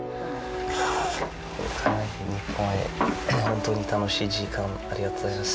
「ニッポンへ本当に楽しい時間をありがとうございます」。